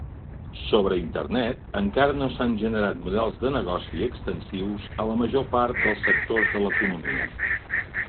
Sobre Internet encara no s'han generat models de negoci extensius a la major part de sectors de l'economia.